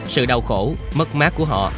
sự đau khổ mất mát của họ